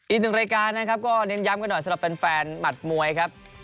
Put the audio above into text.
อีกหนึ่งรายการนะครับก็เน้นย้ำกันหน่อยสำหรับแฟนหมัดมวยครับ